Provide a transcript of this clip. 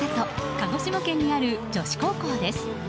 鹿児島県にある女子高校です。